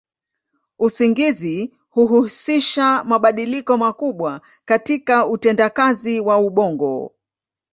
Usingizi huhusisha mabadiliko makubwa katika utendakazi wa ubongo.